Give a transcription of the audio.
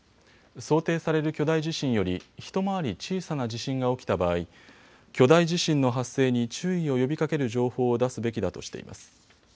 想定される巨大地震より一回り小さな地震が起きた場合、巨大地震の発生に注意を呼びかける情報を出すべきだとしています。